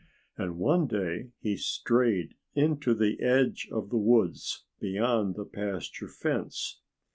And one day he strayed into the edge of the woods beyond the pasture fence.